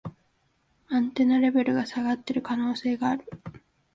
アンテナレベルが下がってる可能性がある